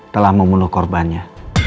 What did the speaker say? telah membunuh korbannya